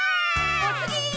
おつぎ！